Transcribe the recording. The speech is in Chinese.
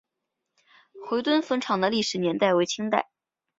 回教坟场的历史年代为清代。